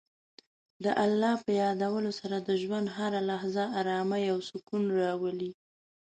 د الله په یادولو سره د ژوند هره لحظه ارامۍ او سکون راولي.